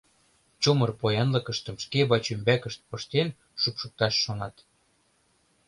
Чумыр поянлыкыштым шке вачӱмбакышт пыштен шупшыкташ шонат.